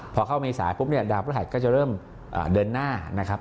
พอเข้าเมษาปุ๊บเนี่ยดาวพฤหัสก็จะเริ่มเดินหน้านะครับ